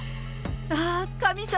ああ、神様。